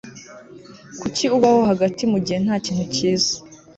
Kuki ubaho hagati mugihe ntakintu cyiza